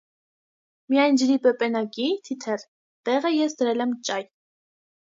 Միայն «ջրի պեպենակի» (թիթեռ) տեղը ես դրել եմ ճայ։